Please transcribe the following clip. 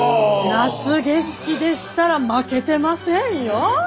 夏景色でしたら負けてませんよ！